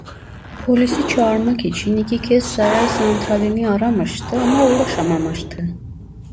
Polisi çağırmak için iki kez saray santralini aramıştı ama ulaşamamıştı.